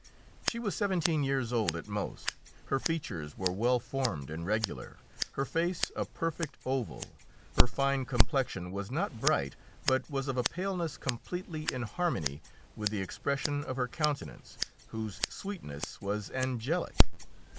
She was seventeen years old at most; her features were well formed and regular, her face a perfect oval; her fine complexion was not bright, but was of a paleness completely in harmony with the expression of her countenance, whose sweetness was angelic.